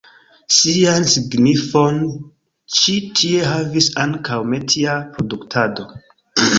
Sian signifon ĉi tie havis ankaŭ metia produktado.